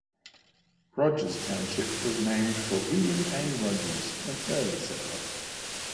Rogers Township was named for William A. Rogers, an early settler.